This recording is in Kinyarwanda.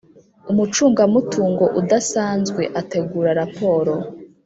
Umucungamutungo udasanzwe ategura raporo